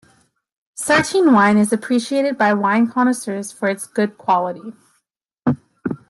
Sartene wine is appreciated by wine connoisseurs for its good quality.